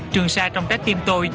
trường xa trong trái tim tôi